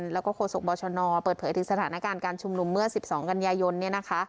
และโฆษกบชนเปิดเผยถึงสถานการณ์การชุมรุมเมื่อ๑๒กันยายน